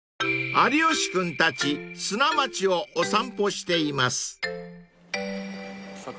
［有吉君たち砂町をお散歩しています］